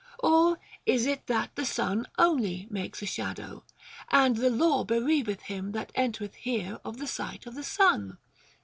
Or is it that the sun only makes a shadow, and the law bereaveth him that entereth here of the sight of the sun?